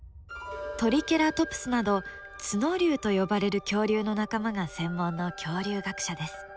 トリケラトプスなど角竜と呼ばれる恐竜の仲間が専門の恐竜学者です。